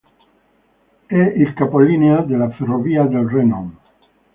È il capolinea della ferrovia del Renon.